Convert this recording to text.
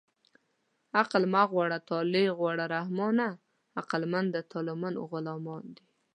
عقل مه غواړه طالع غواړه رحمانه عقلمند د طالعمندو غلامان دي